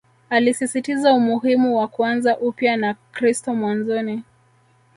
Alisisitiza umuhimu wa kuanza upya na kristo mwanzoni